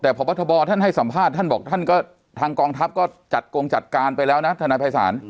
แต่พบทบท่านให้สัมภาษณ์ท่านบอกท่านก็ทางกองทัพก็จัดกงจัดการไปแล้วนะทนายภัยศาล